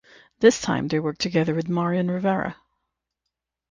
This time they worked together with Marian Rivera.